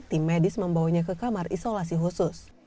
tim medis membawanya ke kamar isolasi khusus